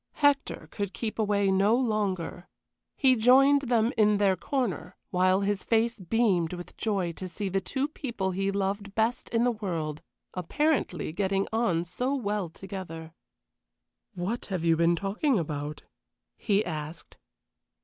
Hector could keep away no longer. He joined them in their corner, while his face beamed with joy to see the two people he loved best in the world apparently getting on so well together. "What have you been talking about?" he asked.